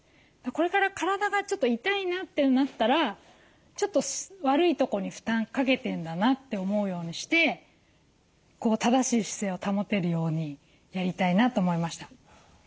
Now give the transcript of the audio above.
これから体がちょっと痛いなってなったらちょっと悪いとこに負担かけてんだなって思うようにして正しい姿勢を保てるようにやりたいなと思いました。